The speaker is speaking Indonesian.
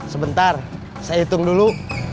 sebentar saya hitung dulu